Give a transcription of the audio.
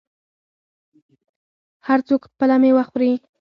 هر څوک خپله میوه خوري.